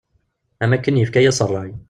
Am wakken yefka-as rray.